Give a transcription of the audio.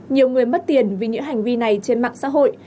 nhiều người mất tiền vì những hành vi này trên mạng xã hội